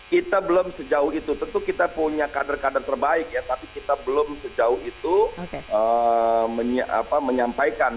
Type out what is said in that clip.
kita belum sejauh itu tentu kita punya kader kader terbaik ya tapi kita belum sejauh itu menyampaikan